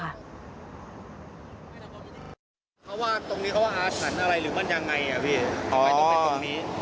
เขาว่าตรงนี้เขาว่าอาชันอะไรหรือมันยังไงอ่ะพี่